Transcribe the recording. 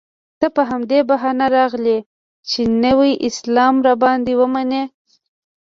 ته په همدې بهانه راغلی یې چې نوی اسلام را باندې ومنې.